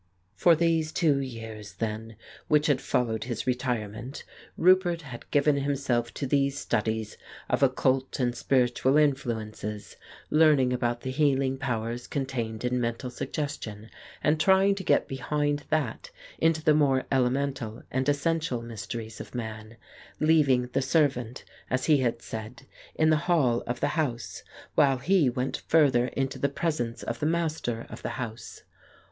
..." For these two years, then, which had followed his retirement, Roupert had given himself to these studies of occult and spiritual influences, learning about the healing powers contained in mental sug gestion, and trying to get behind that into the more elemental and essential mysteries of man ; leaving the servant, as he had said, in the hall of the house, while he went further into the presence of the master of the house.